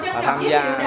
mà tham gia